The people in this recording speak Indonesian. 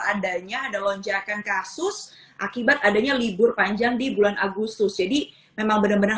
adanya ada lonjakan kasus akibat adanya libur panjang di bulan agustus jadi memang benar benar